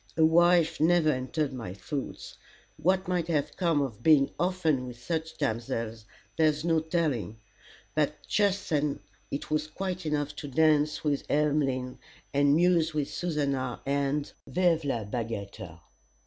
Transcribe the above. A wife never entered my thoughts. What might have come of being often with such damsels, there's no telling; but just then it was quite enough to dance with Emmeline, and muse with Susannah, and vive la bagatelle!